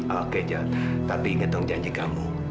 oke jod tapi ingat dong janji kamu